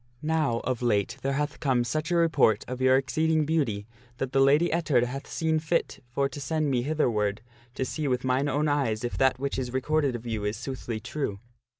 Now, of late, there hath come such a report of your exceeding beauty that the Lady Ettard hath seen fit for to send me hither SIX PELLIAS TAKETH QUEEN GUINEVERE'S QUARREL 207 ward to see with mine own eyes if that which is recorded of you is soothly true.